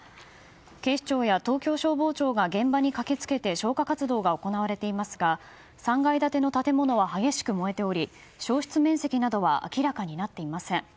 警視庁や東京消防庁が現場に駆け付けて消火活動が行われていますが３階建ての建物は激しく燃えており焼失面積などは明らかになっていません。